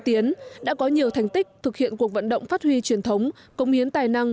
tiến đã có nhiều thành tích thực hiện cuộc vận động phát huy truyền thống công hiến tài năng